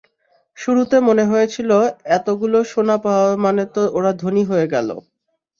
শুরুতে মনে হয়েছিল, এতগুলো সোনা পাওয়া মানে তো ওরা ধনী হয়ে গেল।